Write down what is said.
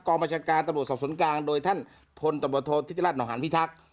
กองประชาการสอบสนกลางโดยท่านพตศตชห่าง